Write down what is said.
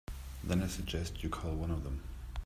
Then I suggest you call one of them.